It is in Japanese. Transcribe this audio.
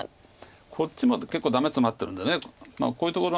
こっちも結構ダメツマってるんでこういうところが。